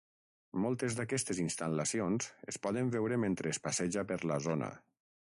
Moltes d'aquestes instal·lacions es poden veure mentre es passeja per la zona.